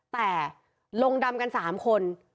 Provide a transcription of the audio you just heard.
แต่ลงดำกัน๓คน